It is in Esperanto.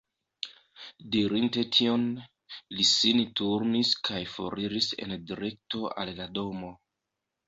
Dirinte tion, li sin turnis kaj foriris en direkto al la domo.